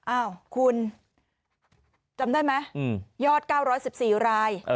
อ้าวคุณจำได้ไหมยอด๙๑๔ราย